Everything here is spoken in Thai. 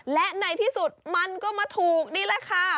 และในที่สุดมันก็มาถูกนี่แหละค่ะ